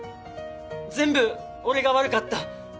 全部俺が悪かった！